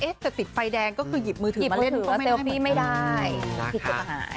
เอ๊ะแต่ติดไฟแดงก็คือหยิบมือถือมาเล่นก็ไม่ได้เหมือนกันหยิบมือถือว่าเซลฟี่ไม่ได้ผิดกวดหาย